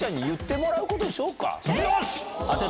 よし！